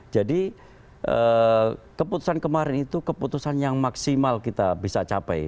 jadi keputusan kemarin itu keputusan yang maksimal kita bisa capai